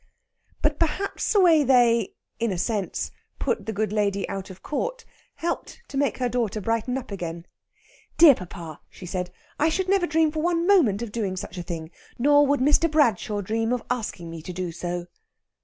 But perhaps the way they, in a sense, put the good lady out of court, helped to make her daughter brighten up again. "Dear papa," she said, "I should never dream for one moment of doing such a thing. Nor would Mr. Bradshaw dream of asking me to do so."